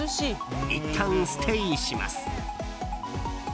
いったんステイします。